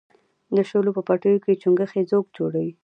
د شولو په پټیو کې چنگښې ځوږ جوړوي.